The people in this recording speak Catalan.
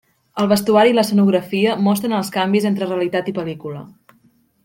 El vestuari i l'escenografia mostren els canvis entre realitat i pel·lícula.